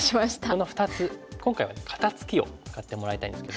この２つ今回は肩ツキを使ってもらいたいんですけども。